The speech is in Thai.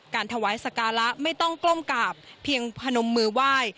การถวายศักราชไม่ต้องกล้มกาบเพียงผนมมือไหว้